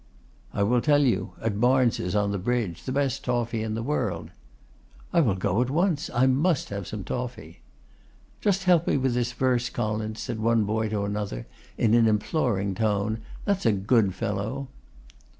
'I will tell you; at Barnes' on the bridge. The best toffy in the world.' 'I will go at once. I must have some toffy.' 'Just help me with this verse, Collins,' said one boy to another, in an imploring tone, 'that's a good fellow.